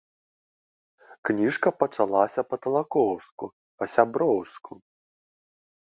Кніжка пачалася па-талакоўску, па-сяброўску.